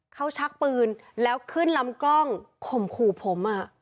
เขาชักปืนแล้วขึ้นลำกล้องข่มขู่ผม